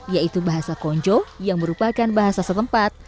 yaitu bahasa konjo yang merupakan bahasa setempat